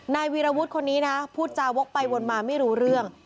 วีรวุฒิคนนี้นะพูดจาวกไปวนมาไม่รู้เรื่อง